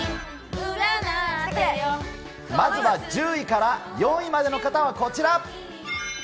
まずは１０位から４位までの方はこちら。